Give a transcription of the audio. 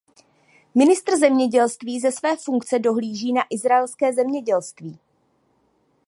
Ministr zemědělství ze své funkce dohlíží na izraelské zemědělství.